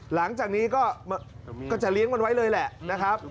หลังจากนี้ก็จะเลี้ยงมันไว้เลยแหละนะครับ